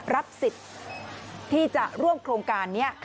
รับสิทธิ์ที่จะร่วมโครงการนี้